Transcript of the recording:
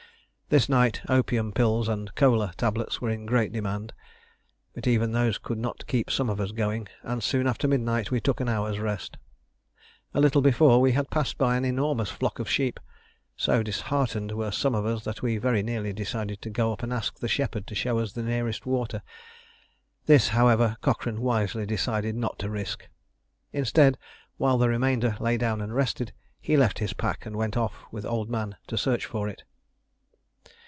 This night opium pills and "Kola" tablets were in great demand, but even those could not keep some of us going, and soon after midnight we took an hour's rest. A little before, we had passed by an enormous flock of sheep: so disheartened were some of us that we very nearly decided to go up and ask the shepherd to show us the nearest water. This, however, Cochrane wisely decided not to risk. Instead, while the remainder lay down and rested, he left his pack and went off with Old Man to search for it.